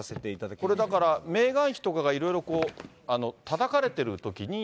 これ、だからメーガン妃とかがいろいろたたかれてるときに。